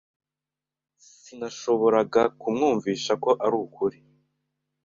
Sinashoboraga kumwumvisha ko arukuri.